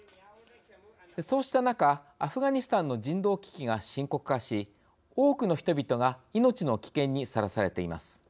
そうした中アフガニスタンの人道危機が深刻化し、多くの人々が命の危険にさらされています。